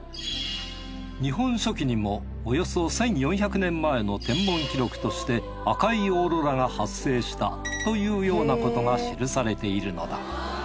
『日本書紀』にもおよそ１４００年前の天文記録として赤いオーロラが発生したというようなことが記されているのだ。